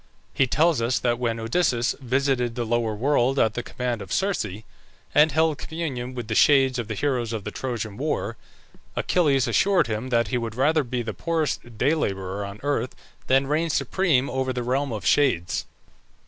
He tells us that when Odysseus visited the lower world at the command of Circe, and held communion with the shades of the heroes of the Trojan war, Achilles assured him that he would rather be the poorest day labourer on earth than reign supreme over the realm of shades.